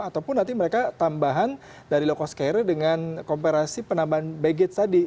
ataupun nanti mereka tambahan dari loko scary dengan komparasi penambahan baggage tadi